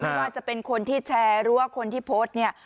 ว่าจะเป็นคนที่แชร์หรือว่าคนที่โพสต์เนี่ย